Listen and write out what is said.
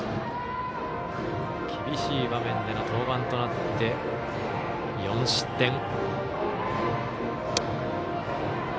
厳しい場面での登板となって４失点。